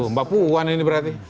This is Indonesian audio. mbak puan ini berarti